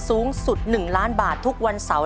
สูงสุด๑ล้านบาททุกวันเสาร์